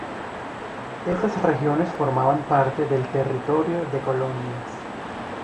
Esas regiones formaban parte del Territorio de Colonias.